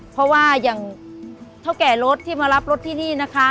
เพราะว่าอย่างเท่าแก่รถที่มารับรถที่นี่นะคะ